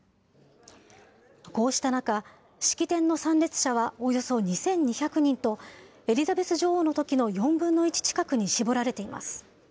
こうした中、式典の参列者はおよそ２２００人と、エリザベス女王のときの４分の１近くに絞られています。